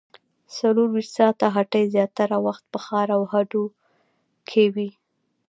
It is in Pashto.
څلورویشت ساعته هټۍ زیاتره وخت په ښار او هډو کې وي